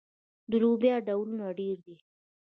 د لوبیا ډولونه ډیر دي.